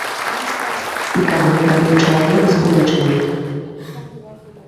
І каб гэта быў чалавек з будучыні.